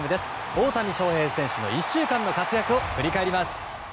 大谷翔平選手の１週間の活躍を振り返ります。